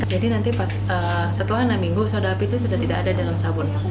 jadi nanti setelah enam minggu soda api itu sudah tidak ada dalam sabun